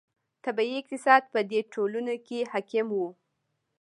طبیعي اقتصاد په دې ټولنو کې حاکم و.